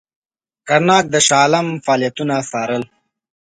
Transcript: کرناک د شاه عالم فعالیتونه څارل.